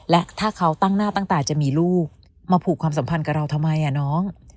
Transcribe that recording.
และถ้าเขาตั้งหน้าตั้งตาจะมีลูกมาผูกความสัมพันธ์กับเราทำไมน้อง